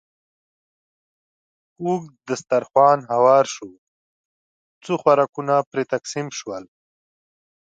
اوږد دسترخوان هوار شو، څو خوراکونه پرې تقسیم شول.